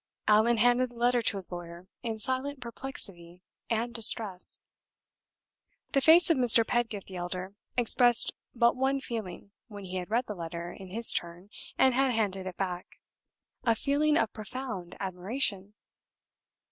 Allan handed the letter to his lawyer in silent perplexity and distress. The face of Mr. Pedgift the elder expressed but one feeling when he had read the letter in his turn and had handed it back a feeling of profound admiration.